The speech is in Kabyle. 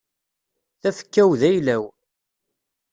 Tafekka-w d ayla-w.